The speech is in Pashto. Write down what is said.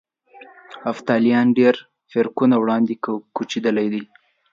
هفتالیان ډېر قرنونه وړاندې کوچېدلي دي.